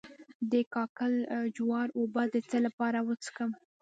د کاکل جوار اوبه د څه لپاره وڅښم؟